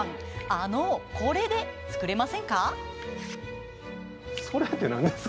あの、これで作れませんか？